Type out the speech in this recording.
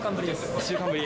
１週間ぶり？